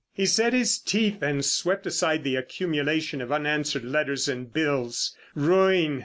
He set his teeth and swept aside the accumulation of unanswered letters and bills. Ruin!